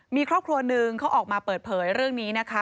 มีครอบครัวหนึ่งเขาออกมาเปิดเผยเรื่องนี้นะคะ